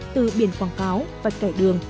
từ biển quảng cáo vạch cải đường